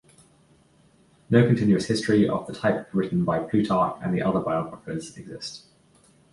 No continuous history of the type written by Plutarch and other biographers exists.